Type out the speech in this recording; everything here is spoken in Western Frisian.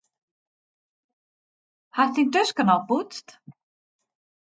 Hast dyn tosken al poetst?